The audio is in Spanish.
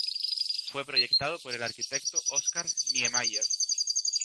Fue proyectado por el arquitecto Oscar Niemeyer.